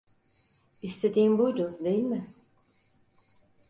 İstediğin buydu, değil mi?